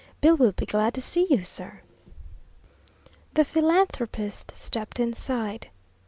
"Bill will be glad to see you, sir." The philanthropist stepped inside.